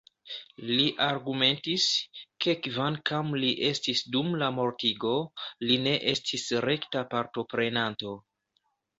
Li argumentis, ke kvankam li estis dum la mortigo, li ne estis rekta partoprenanto.